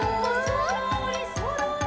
「そろーりそろり」